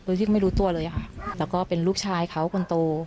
โดยที่ไม่รู้ตัวเลยค่ะแล้วก็เป็นลูกชายเขาคนโต